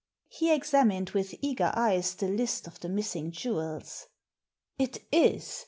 He examined with ee^er eyes the list of the missing jewels. "It is!